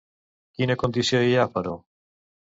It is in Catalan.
Quina condició hi ha, però?